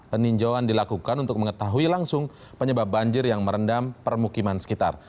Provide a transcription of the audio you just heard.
peninjauan dilakukan untuk mengetahui langsung penyebab banjir yang merendam permukiman sekitar